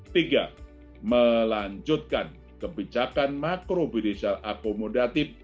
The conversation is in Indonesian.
tiga melanjutkan kebijakan makrobidisal akomodatif